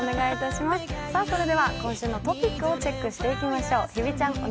今週のトピックをチェックしていきましょう。